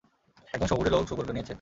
একজন শহুরে লোক শূকরকে নিয়েছে।